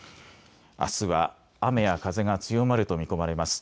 あすは雨や風が強まると見込まれます。